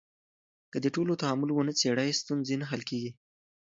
که د ډلو تعامل ونه څېړې، ستونزې نه حل کېږي.